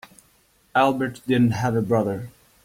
Albert didn't have a brother.